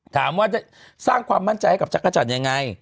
ถามว่าจะสร้างความมั่นใจให้กับจักรจันทร์ยังไง